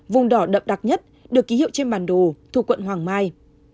vùng đỏ đậm đặc nhất được ký hiệu trên bản đồ thuộc quận hoàng mai